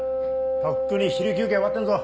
とっくに昼休憩終わってんぞ。